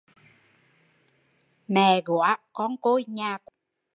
Mẹ góa con côi nhà quá chỏe